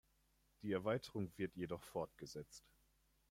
Die Erweiterung wird jedoch fortgesetzt.